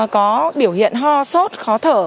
có biểu hiện ho sốt khó thở